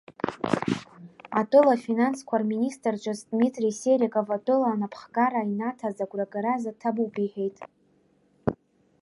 Атәыла афинансқәа рминистр ҿыц Дмитри Сериков атәыла анаԥхгара инаҭаз агәрагара азы ҭабуп иҳәеит.